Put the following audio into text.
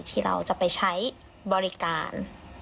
ที่เราจะไปใช้บริการ